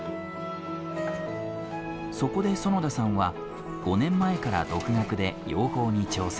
そこで園田さんは５年前から独学で養蜂に挑戦。